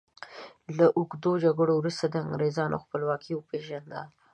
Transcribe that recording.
له اوږدو جګړو وروسته انګریزانو خپلواکي وپيژندله.